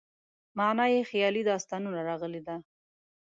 معنا یې خیالي داستانونه راغلې ده.